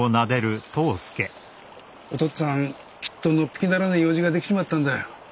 お父っつぁんきっとのっぴきならねえ用事が出来ちまったんだよ。